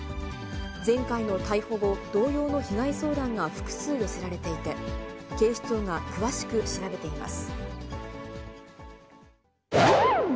前回の逮捕後、同様の被害相談が複数寄せられていて、警視庁が詳しく調べています。